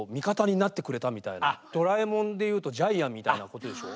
「ドラえもん」で言うとジャイアンみたいなことでしょ？